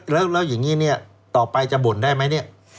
แล้วอย่างนี้เนี่ยต่อไปจะบ่นได้ไหมเนี่ย